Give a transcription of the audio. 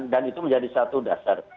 dan itu menjadi satu dasar